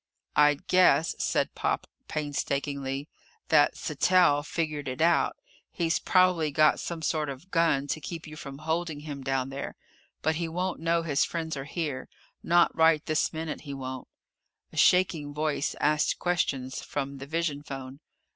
"I'd guess," said Pop painstakingly, "that Sattell figured it out. He's probably got some sort of gun to keep you from holding him down there. But he won't know his friends are here not right this minute he won't." A shaking voice asked questions from the vision phone.